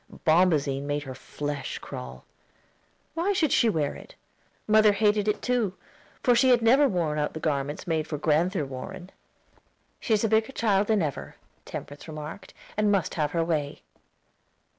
Bombazine made her flesh crawl. Why should she wear it? Mother hated it, too, for she had never worn out the garments made for Grand'ther Warren. "She's a bigger child than ever," Temperance remarked, "and must have her way."